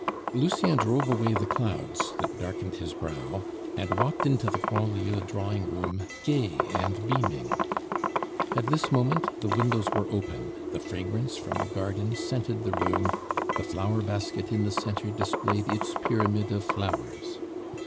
Lucien drove away the clouds that darkened his brow, and walked into the Grandlieu drawing room gay and beaming. At this moment the windows were open, the fragrance from the garden scented the room, the flower basket in the centre displayed its pyramid of flowers.